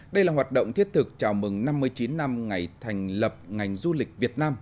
đây là hoạt động thiết thực chào mừng năm mươi chín năm ngày thành lập ngành du lịch việt nam